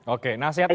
oke nasihat ini